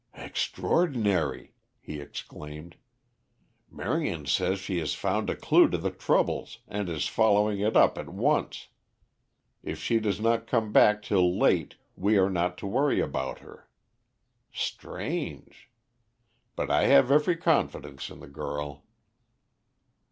"Extraordinary," he exclaimed. "Marion says she has found a clue to the troubles and is following it up at once. If she does not come back till late we are not to worry about her. Strange! But I have every confidence in the girl."